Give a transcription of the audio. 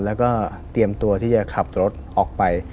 แล้วก็เตรียมตัวที่จะขับรถออกไป